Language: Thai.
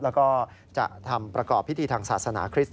แล้วก็จะทำประกอบพิธีทางศาสนาคริสต